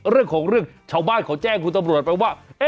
เรื่องของเรื่องชาวบ้านเขาแจ้งคุณตำรวจไปว่า